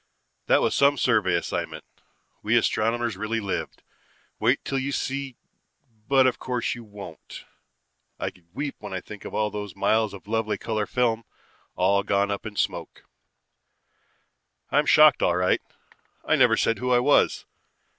"That was some survey assignment. We astronomers really lived. Wait till you see but of course you won't. I could weep when I think of those miles of lovely color film, all gone up in smoke. "I'm shocked all right. I never said who I was.